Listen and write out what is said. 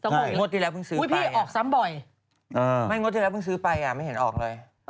ไม่งดดีแล้วเพิ่งซื้อไปไม่เห็นออกเลย